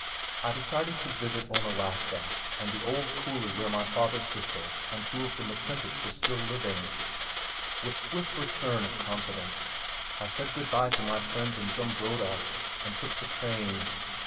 I decided to visit Onalaska and the old coulee where my father's sister and two of the McClintocks were still living. With swift return of confidence, I said good bye to my friends in Zumbrota and took the train.